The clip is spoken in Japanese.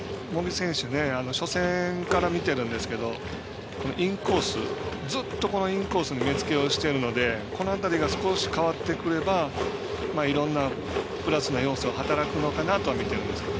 選手初戦から見ているんですけどずっとインコースに目付けをしてるのでこの辺りが少し変わってくればいろんなプラスの要素が働くかなとは見てますけど。